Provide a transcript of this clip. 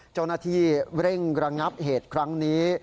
เจ้าหน้าที่เร่งระงับเหตุครั้งนี้